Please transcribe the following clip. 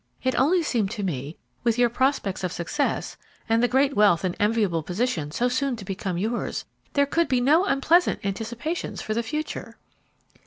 It only seemed to me, with your prospects of success, and the great wealth and enviable position so soon to become yours, there could be no unpleasant anticipations for the future."